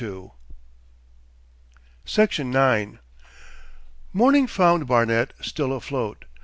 Section 9 Morning found Barnet still afloat.